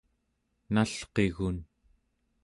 nalqigun